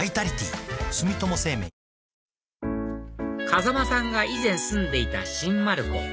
風間さんが以前住んでいた新丸子